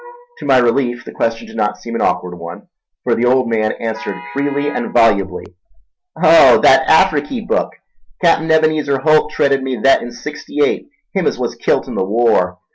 To my relief, the question did not seem an awkward one; for the old man answered freely and volubly. "Oh, thet Afriky book? Cap'n Ebenezer Holt traded me thet in 'sixty eight—him as was kilt in the war."